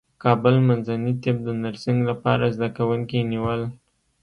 کابل منځني طب د نرسنګ لپاره زدکوونکي نیول